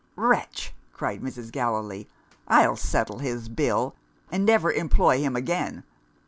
"Wretch!" cried Mrs. Gallilee. "I'll settle his bill, and never employ him again!"